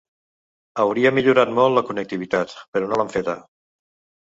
Hauria millorat molt la connectivitat, però no l’han feta.